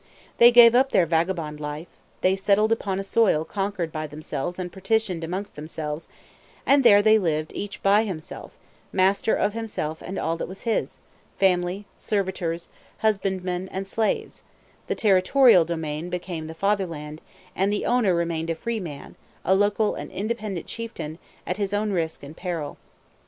They gave up their vagabond life; they settled upon a soil conquered by themselves and partitioned amongst themselves; and there they lived each by himself, master of himself and all that was his, family, servitors, husbandmen, and slaves: the territorial domain became the fatherland, and the owner remained a free man, a local and independent chieftain, at his own risk and peril.